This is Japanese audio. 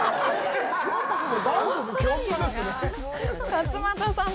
勝俣さん！